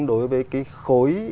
đối với cái khối